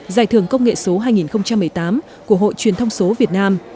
giải thưởng công nghệ số hai nghìn một mươi tám của hội truyền thông số việt nam